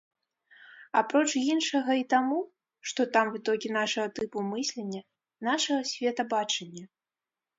Апроч іншага і таму, што там вытокі нашага тыпу мыслення, нашага светабачання.